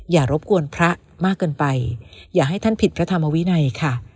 รบกวนพระมากเกินไปอย่าให้ท่านผิดพระธรรมวินัยค่ะ